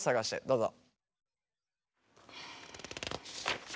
どうぞ。